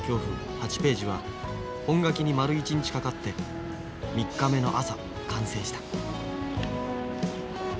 ８ページは本描きに丸一日かかって３日目の朝完成した